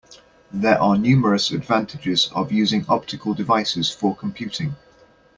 There are numerous advantages of using optical devices for computing.